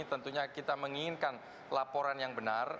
tentunya kita menginginkan laporan yang benar